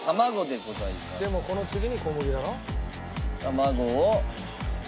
でもこの次に小麦だろ？卵を。